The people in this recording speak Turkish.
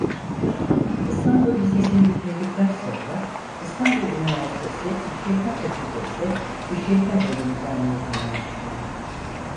İstanbul Lisesi'ni bitirdikten sonra İstanbul Üniversitesi İşletme Fakültesi İşletme Bölümü'nden mezun olmuştur.